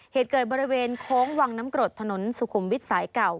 เหตุเกิดบริเวณโค้งวังน้ำกรดถนนสุขุมวิทย์สายเก่า